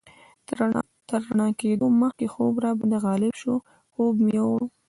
تر رڼا کېدو مخکې خوب راباندې غالب شو، خوب مې یوړ.